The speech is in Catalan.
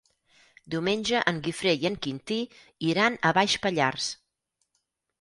Diumenge en Guifré i en Quintí iran a Baix Pallars.